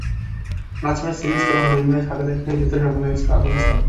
পাঁচ match series তখন দুই ম্যাচ হাতে রেখেই জেতার স্বপ্ন দেখছিল আফগানিস্তান।